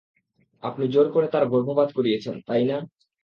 আপনি জোর করে তার গর্ভপাত করিয়েছেন, তাই না?